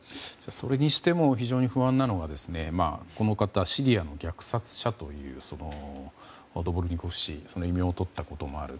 それにしても非常に不安なのがこの方、シリアの虐殺者というドボルニコフ氏はその異名をとったこともある。